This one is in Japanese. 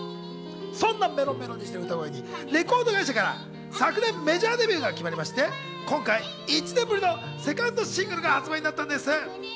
そんなメロメロにする歌声にレコード会社から昨年メジャーデビューが決まりまして、今回１年ぶりのセカンドシングルが発売になったんです。